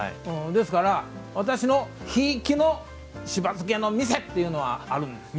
ですから、私のひいきのしば漬けの店っていうのがあるんですよ。